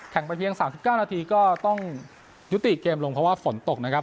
ไปเพียง๓๙นาทีก็ต้องยุติเกมลงเพราะว่าฝนตกนะครับ